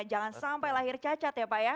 jangan sampai lahir cacat ya pak ya